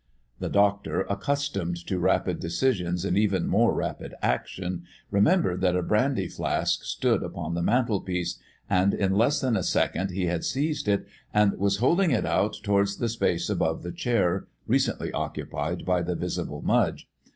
The doctor, accustomed to rapid decisions and even more rapid action, remembered that a brandy flask stood upon the mantelpiece, and in less than a second he had seized it and was holding it out towards the space above the chair recently occupied by the visible Mudge.